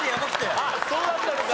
あっそうだったのか。